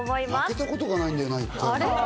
負けたことがないんだよな、１回も。